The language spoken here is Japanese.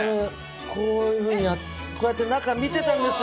これ、こういうふうに、こうやって中見てたんですよ。